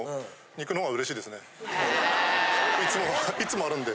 いつもいつもあるんで。